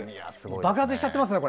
爆発しちゃっていますね。